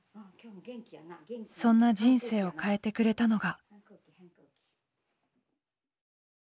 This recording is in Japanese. そんな人生を変えてくれたのが。